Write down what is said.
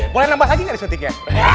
boleh nambah lagi gak di syutingnya